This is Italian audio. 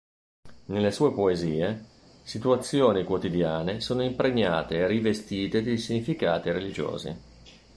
Nelle sue poesie, situazioni quotidiane sono impregnate e rivestite di significati religiosi.